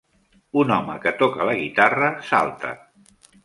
Un home que toca la guitarra salta.